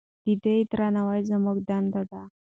د ده درناوی زموږ دنده ده.